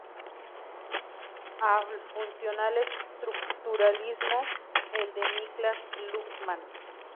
Al funcional estructuralismo, el de Niklas Luhmann.